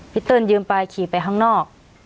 เติ้ลยืมไปขี่ไปข้างนอก